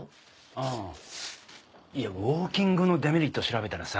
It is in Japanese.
あぁいやウオーキングのデメリットを調べたらさ